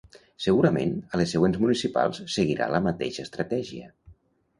Segurament, a les següents municipals seguirà la mateixa estratègia.